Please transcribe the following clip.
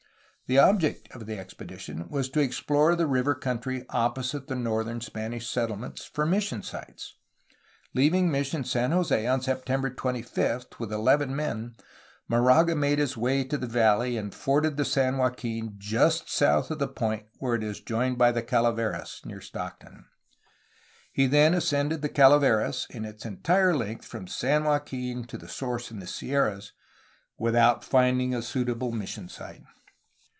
The object of the expedition was to explore the river country opposite the northern Spanish settlements for mis sion sites. Leaving Mission San Jose on September 25 with eleven men Moraga made his way to the valley, and forded the San Joaquin just south of the point where it is joined by the Calaveras, near Stockton. He then ascended the Calaveras in its entire length from the San Joaquin to its source in the Sierras, without finding a suitable mission site.